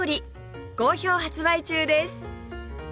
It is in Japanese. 好評発売中です